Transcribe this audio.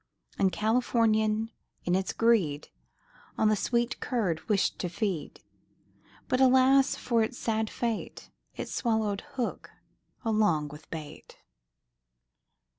And Californian in its greed, On the sweet curd wished to feed; But, alas, for it's sad fate, It swallowed hook along with bait.